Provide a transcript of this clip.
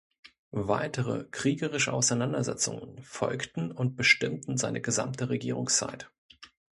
Weitere kriegerische Auseinandersetzungen folgten und bestimmten seine gesamte Regierungszeit.